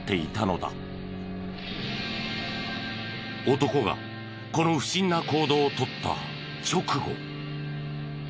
男がこの不審な行動をとった直後。